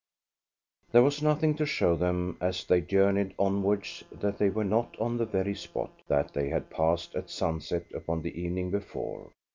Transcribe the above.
There was nothing to show them as they journeyed onwards that they were not on the very spot that they had passed at sunset upon the evening before.